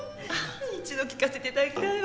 一度聞かせていただきたいわ。